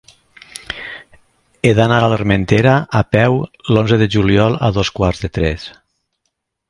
He d'anar a l'Armentera a peu l'onze de juliol a dos quarts de tres.